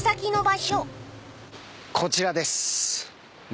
こちらです。